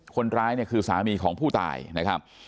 คนร้ายเนี่ยคือสามีของผู้ตายนะครับ